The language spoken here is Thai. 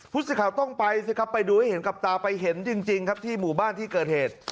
ผู้สื่อข่าวต้องไปสิครับไปดูให้เห็นกับตาไปเห็นจริงครับที่หมู่บ้านที่เกิดเหตุ